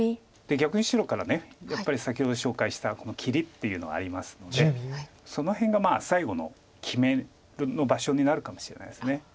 逆に白からやっぱり先ほど紹介した切りっていうのありますのでその辺が最後の決める場所になるかもしれないです。